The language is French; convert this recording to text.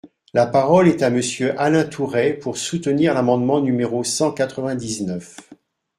La parole est à Monsieur Alain Tourret, pour soutenir l’amendement numéro cent quatre-vingt-dix-neuf.